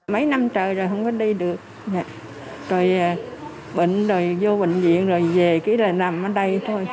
mấy năm trời rồi không có đi được rồi bệnh rồi vô bệnh viện rồi về kỹ rồi nằm ở đây thôi